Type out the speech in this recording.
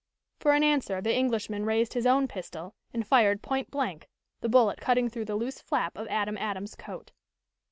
For an answer the Englishman raised his own pistol and fired point blank, the bullet cutting through the loose flap of Adam Adams' coat.